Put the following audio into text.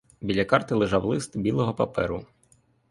Біля карти лежав лист білого паперу.